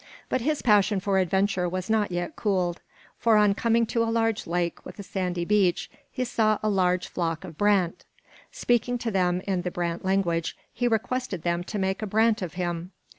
But his passion for adventure was not yet cooled; for on coming to a large lake with a sandy beach, he saw a large flock of brant. Speaking to them in the brant language, he requested them to make a brant of him.